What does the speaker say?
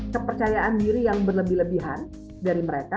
kepercayaan diri yang berlebih lebihan dari mereka